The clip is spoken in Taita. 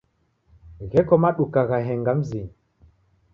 Gheko maduka ghaenga mzinyi.